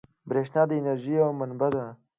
برېښنا د انرژۍ یوه بڼه ده.